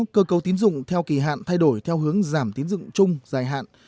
cơ cấu tín dụng theo kỳ hạn thay đổi theo hướng giảm tín dụng chung dài hạn